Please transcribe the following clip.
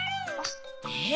えっ？